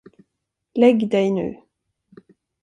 Lägg dig nu.